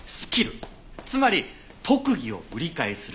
つまり特技を売り買いするサイトの事。